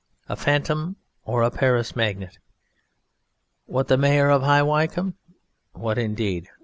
A Phantom or a Paris magnate. What the Mayor of High Wycombe? Ah! what indeed!